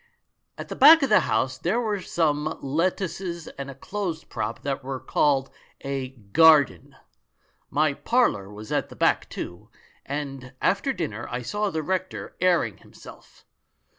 ... "At the back of the house there were some let tuces and a clothes prop that were called a 'gar den.' My parlour was at the back, too ; and after dinner I saw the rector airing himself.